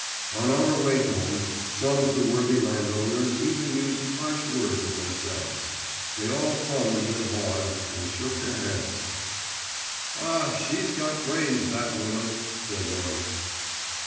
On our way home, some of the worthy landowners even used harsh words of themselves; they all hummed and hawed, and shook their heads. 'Ah, she's got brains that woman!' said one.